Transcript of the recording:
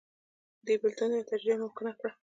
دې بېلتون یا تجزیه ممکنه کړه